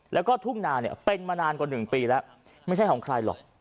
แล้วก็ทุ่งนาเนี่ยเป็นมานานกว่า๑ปีแล้วไม่ใช่ของใครหรอก